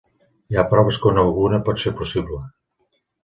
Hi ha proves que una vacuna pot ser possible.